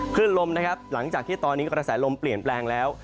ขึ้นลมนะครับหลังจากที่ตอนนี้กระแสลมเปลี่ยนแปลงแล้ว